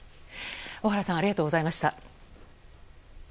小原さんありがとうございました。